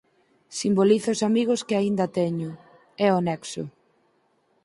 Simboliza os amigos que aínda teño, é o nexo